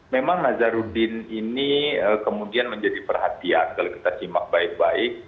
memang nazarudin ini kemudian menjadi perhatian kalau kita simak baik baik